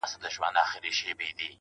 او بیا په خپلو مستانه سترګو دجال ته ګورم